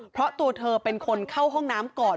เพราะตัวเธอเป็นคนเข้าห้องน้ำก่อน